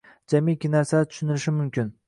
jamiyki narsalar tushunilishi mumkin.